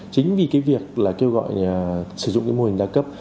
chính vì cái việc là kêu gọi sử dụng cái mô hình đa cấp